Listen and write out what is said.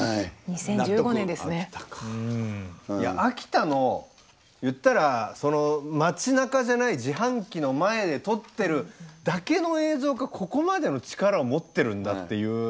秋田の言ったらその街なかじゃない自販機の前で撮ってるだけの映像がここまでの力を持ってるんだっていう。